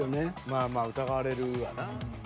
まあまあ疑われるわな。